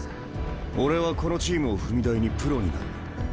俺はこのチームを踏み台にプロになる。